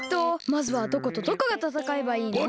まずはどことどこがたたかえばいいの？